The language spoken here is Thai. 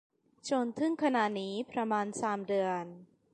จนถึงขณะนี้ประมาณสามเดือน